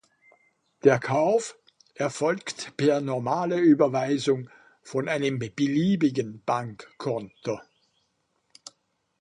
Der Kauf erfolgt per normaler Überweisung von einem beliebigen Bankkonto.